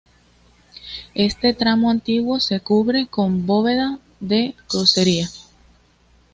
Este tramo antiguo se cubre con bóveda de crucería.